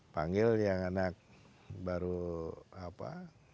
panggil yang anak baru apa